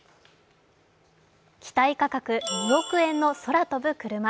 機体価格２億円の空飛ぶクルマ。